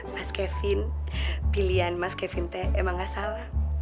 mas kevin pilihan mas kevin teh emang gak salah